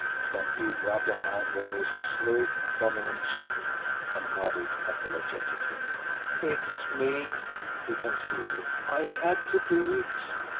Stampede rubbed a hand over his smooth, prominent chin and nodded apologetically. "It's me," he conceded. "I had to do it.